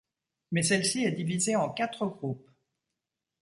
Mais celle-ci est divisée en quatre groupes.